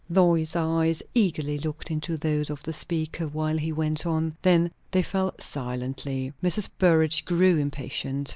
Lois's eyes eagerly looked into those of the speaker while he went on; then they fell silently. Mrs. Burrage grew impatient.